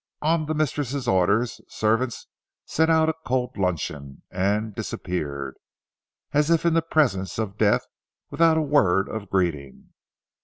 On the mistress's orders, servants set out a cold luncheon, and disappeared, as if in the presence of death, without a word of greeting.